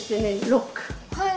はい。